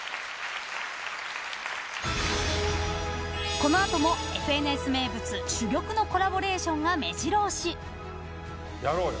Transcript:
この後も「ＦＮＳ」名物珠玉のコラボレーションがやろうよ。